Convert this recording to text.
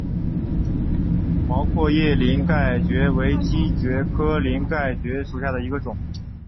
毛阔叶鳞盖蕨为姬蕨科鳞盖蕨属下的一个种。